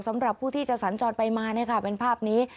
สำหรับผู้ที่จะสัญจรไปมาเป็นภาพนี้